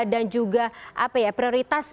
dan juga prioritas